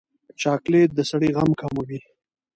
چاکلېټ د سړي غم کموي.